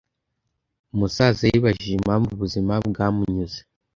Umusaza yibajije impamvu ubuzima bwamunyuze.